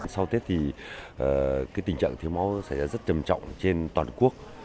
sau tết thì tình trạng thiếu máu sẽ rất trầm trọng trên toàn quốc